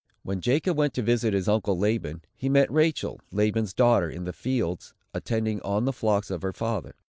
When Jacob went to visit his uncle Laban, he met Rachel, Laban's daughter, in the fields, attending on the flocks of her father.